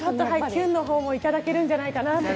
キュンの方もいただけるんじゃないかなと。